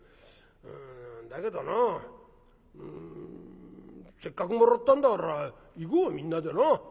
うんだけどなせっかくもらったんだから行こうみんなでな。